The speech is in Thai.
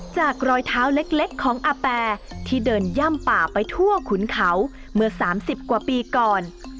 รอยเท้าเล็กของอาแปรที่เดินย่ำป่าไปทั่วขุนเขาเมื่อ๓๐กว่าปีก่อน